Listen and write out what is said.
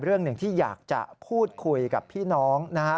เรื่องหนึ่งที่อยากจะพูดคุยกับพี่น้องนะฮะ